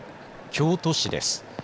京都市です。